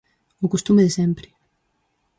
O costume de sempre.